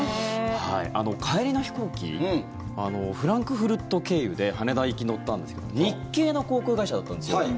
帰りの飛行機フランクフルト経由で羽田行き乗ったんですけど日系の航空会社だったんですよ。